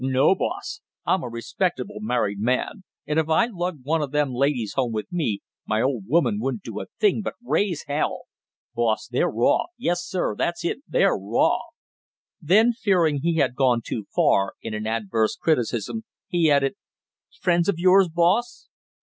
"No, boss, I'm a respectable married man, and if I lugged one of them ladies home with me, my old woman wouldn't do a thing but raise hell! Boss, they're raw; yes, sir, that's it they're raw!" Then fearing he had gone too far in an adverse criticism, he added, "Friends of yours, boss?"